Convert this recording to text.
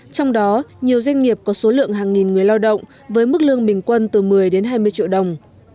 trong đó nhiều doanh nghiệp có số lượng hàng nghìn người lao động với mức lương bình quân từ một mươi đến hai mươi triệu đồng